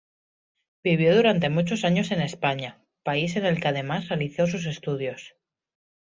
Vivió durante muchos años en España, país en el que además realizó sus estudios.